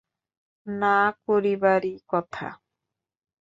না করিবারই কথা।